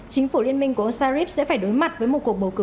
chính phủ liên minh của osari sẽ phải đối mặt với một cuộc bầu cử